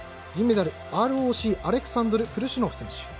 銀メダル、ＲＯＣのアレクサンドル・ブルシュノフ選手。